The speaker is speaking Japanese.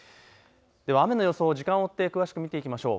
では雨の予想を時間を追って詳しく見ていきましょう。